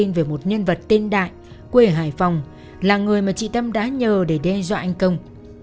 thông tin về một nhân vật tên đại quê hải phòng là người mà chị tâm đã nhờ để đe dọa anh công